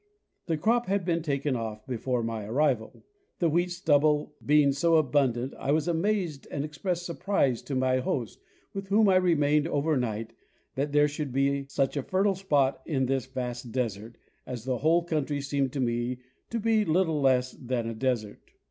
The crop had been taken off before my arrival. The wheat stubble being so abundant, I was amazed and expressed surprise to my host, with whom I remained over night, that there should be such a fertile spot in this vast desert, as the whole country seemed to me to be little less than a desert.